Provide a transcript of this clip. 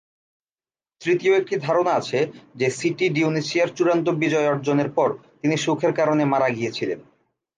তৃতীয় একটি ধারণা আছে যে সিটি ডিওনিসিয়ায় চূড়ান্ত বিজয় অর্জনের পরে তিনি সুখের কারণে মারা গিয়েছিলেন।